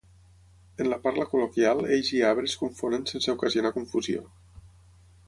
En la parla col·loquial eix i arbre es confonen sense ocasionar confusió.